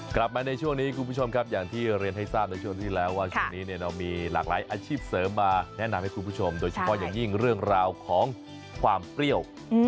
กลับมาในช่วงนี้คุณผู้ชมครับอย่างที่เรียนให้ทราบในช่วงที่แล้วว่าช่วงนี้เนี่ยเรามีหลากหลายอาชีพเสริมมาแนะนำให้คุณผู้ชมโดยเฉพาะอย่างยิ่งเรื่องราวของความเปรี้ยว